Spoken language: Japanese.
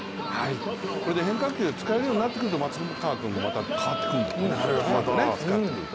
これで変化球を使えるようになってくると松川君も変わってくる。